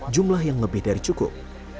jumlah yang lebih dari cukup